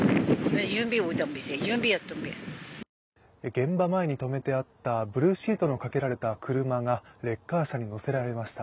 現場前に止めてあったブルーシートのかけられていた車がレッカー車に載せられました。